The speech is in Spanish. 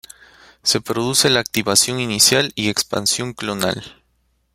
Se produce la activación inicial y expansión clonal.